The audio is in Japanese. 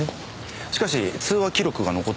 しかし通話記録が残っていません。